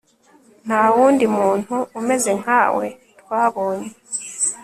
nta wundi muntu umeze nka we twabonye